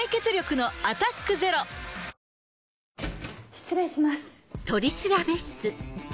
失礼します。